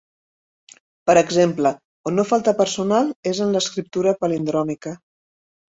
Per exemple, on no falta personal és en l'escriptura palindròmica.